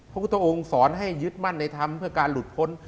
พระพุทธองค์สอนให้ยึดมั่นในธรรมเพื่อการหลุดพ้น